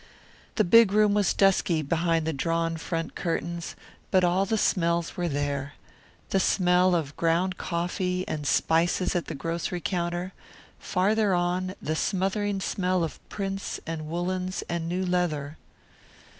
The big room was dusky behind the drawn front curtains, but all the smells were there the smell of ground coffee and spices at the grocery counter, farther on, the smothering smell of prints and woolens and new leather.